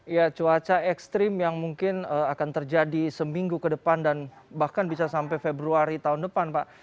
ya cuaca ekstrim yang mungkin akan terjadi seminggu ke depan dan bahkan bisa sampai februari tahun depan pak